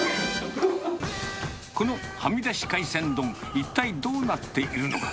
このはみだし海鮮丼、一体どうなっているのか。